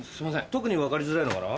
特に分かりづらいのがな。